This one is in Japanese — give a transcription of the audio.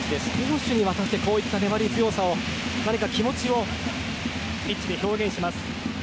攻守にわたってこういった粘り強さを何か気持ちをピッチで表現します。